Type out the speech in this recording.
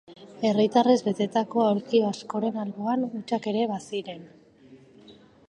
Herritarrez betetako aulki askoren alboan, hutsak ere baziren.